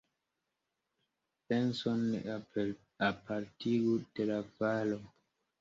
Penson ne apartigu de la faro.